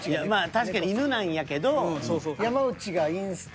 確かに犬なんやけど。